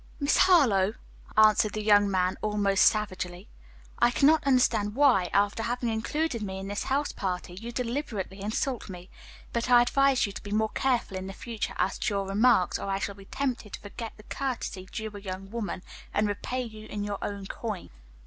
"Miss Harlowe," answered the young man almost savagely, "I cannot understand why, after having included me in this house party, you deliberately insult me; but I advise you to be more careful in the future as to your remarks or I shall be tempted to forget the courtesy due a young woman, and repay you in your own coin."